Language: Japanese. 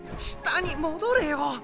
下に戻れよ。